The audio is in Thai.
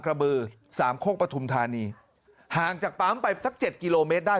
กระบือสามโคกปฐุมธานีห่างจากปั๊มไปสักเจ็ดกิโลเมตรได้